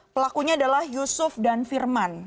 pelakunya adalah yusuf dan firman